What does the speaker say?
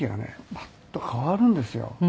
パッと変わるんですよ。